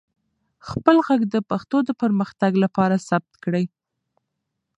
خپل ږغ د پښتو د پرمختګ لپاره ثبت کړئ.